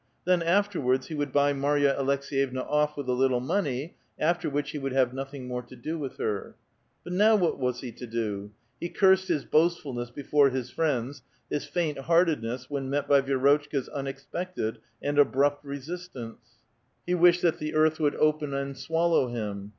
Then afterwards he would buy Marya Aleks^yevna off with a little money, after which he would have nothing more to do with her. But now what was he to do? He cursed his boastfulness before his friends, his faint heartedness when met by Vi6 rotchka's unexpected and abrupt resistance ; he wished that 86 A VITAL QUESTION. the earth would open and swallow him.